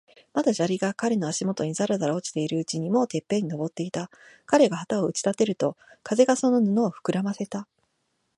まだ砂利が彼の足もとにざらざら落ちているうちに、もうてっぺんに登っていた。彼が旗を打ち立てると、風がその布をふくらませた。